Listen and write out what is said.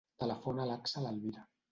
Telefona a l'Àxel Elvira.